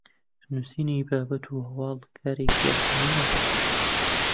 نوسینی بابەت و هەواڵ کارێکی ئاسان نییە